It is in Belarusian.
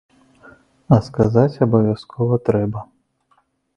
А сказаць абавязкова трэба.